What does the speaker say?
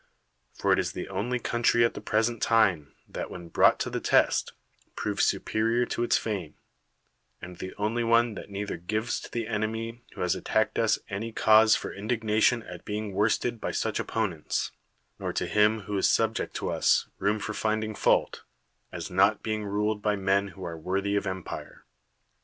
For it is the only country at the present time that, when brought to the test, proves superior to its fame ; and the only one that neither gives to the enemy who has attacked us any cause for indignation at being worsted by such opponents, nor to him who is subject to us room for finding fault, as not being ruled by men who are worthy of empire.